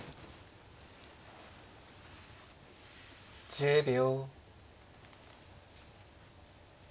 １０秒。